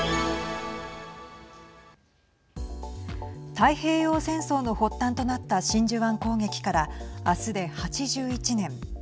太平洋戦争の発端となった真珠湾攻撃から明日で８１年。